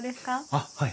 あっはい。